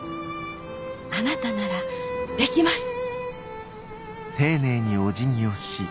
あなたならできます。